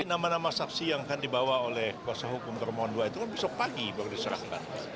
nama nama saksi yang akan dibawa oleh kuasa hukum termohon dua itu kan besok pagi baru diserahkan